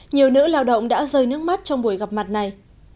nhiều nữ lao động đã rơi nước mắt trong buổi gặp mặt này